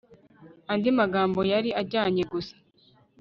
andi magambo, yari ayanjye gusa